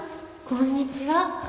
こんにちは